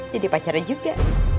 jadi pacarnya juga